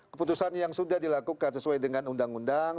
keputusan yang sudah dilakukan sesuai dengan undang undang